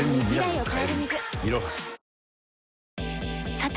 さて！